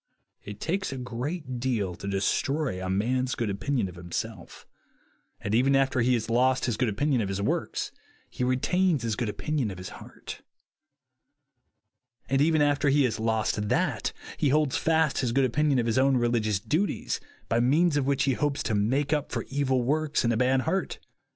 It takes a great deal to destroy a man's good opinion of himself; and even after he has lost his good opinion of his works, he retains his good opinion of his heart ; and even after he has lost that, he holds fast his good opinion of his own religious duties, by means of which he hopes to make up for evil works and a bad heart.